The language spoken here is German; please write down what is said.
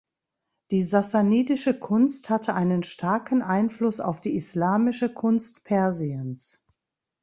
Die sassanidische Kunst hatte einen starken Einfluss auf die islamische Kunst Persiens.